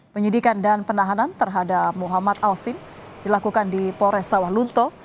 penyidikan dan penahanan terhadap muhammad alvin dilakukan di polres sawah lunto